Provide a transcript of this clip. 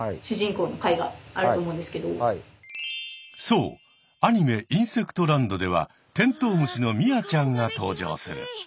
そうアニメ「インセクトランド」ではテントウムシのミアちゃんが登場する。